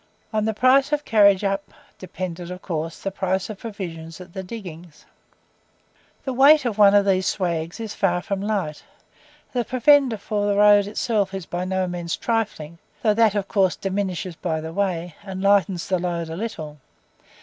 On the price of carriage up, depended of course the price of provisions at the diggings. The weight of one of these "swags" is far from light; the provender for the road is itself by no means trifling, though that of course diminishes by the way, and lightens the load a little.